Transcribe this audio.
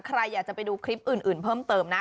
ใครอยากจะไปดูคลิปอื่นเพิ่มเติมนะ